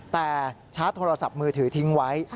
แต่ชาร์จโทรศัพท์มือถือทิ้งไว้